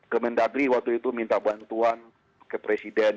kemendagri waktu itu minta bantuan ke presiden